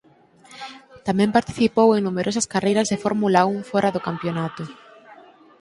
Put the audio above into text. Tamén participou en numerosas carreiras de Fórmula Un fóra do campionato.